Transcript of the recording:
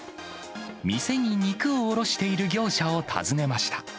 店に肉を卸している業者を訪ねました。